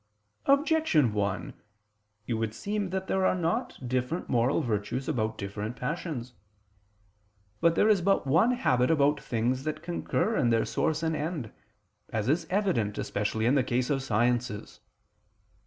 Objection 1: It would seem that there are not different moral virtues about different passions. For there is but one habit about things that concur in their source and end: as is evident especially in the case of sciences.